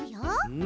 うん。